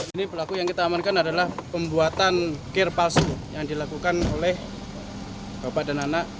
ini pelaku yang kita amankan adalah pembuatan kir palsu yang dilakukan oleh bapak dan anak